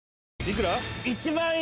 幾ら？